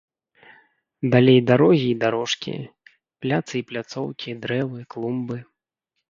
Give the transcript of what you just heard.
Далей дарогі і дарожкі, пляцы і пляцоўкі, дрэвы, клумбы.